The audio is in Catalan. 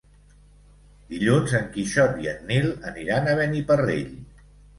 Dilluns en Quixot i en Nil aniran a Beniparrell.